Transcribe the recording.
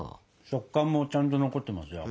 食感もちゃんと残ってますよ。